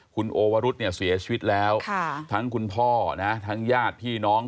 คุณโอวรุษเนี่ยเสียชีวิตแล้วทั้งคุณพ่อนะทั้งญาติพี่น้อง